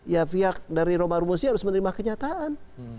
ya pihak dari rumah rumusnya harus menerima kenyataan